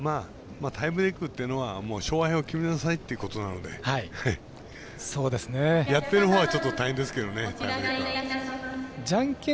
タイブレークっていうのは勝敗を決めなさいっていうことなのでやってるほうはちょっと大変ですけどね。